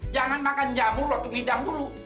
jangan makan jamur lo tuh ngidam dulu